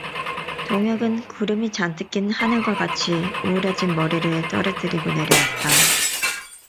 동혁은 구름이 잔뜩 낀 하늘과 같이 우울해진 머리를 떨어뜨리고 내려왔다.